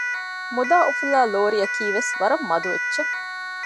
މުދާ އުފުލާ ލޯރިއަކީ ވެސް ވަރަށް މަދު އެއްޗެއް